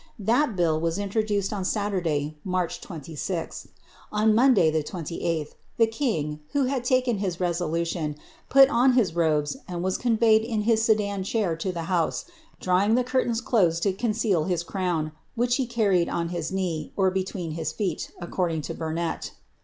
That bill was introduced on Saturday, March 26th. On the 2dth, the king, who had taken his resolution, put on his 1 was conveyed in his sedan chair to the house, drawing the :lose to conceal his crown, which he carried on his knee, or lis feet, according to Burnet.